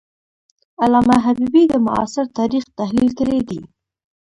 علامه حبیبي د معاصر تاریخ تحلیل کړی دی.